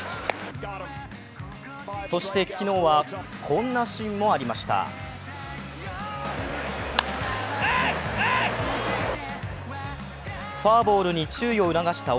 そして昨日はこんなシーンもありました。